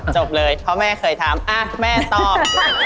จบเลยเพราะแม่เคยถามแม่ตอบ